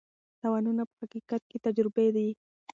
تاوانونه په حقیقت کې تجربې دي.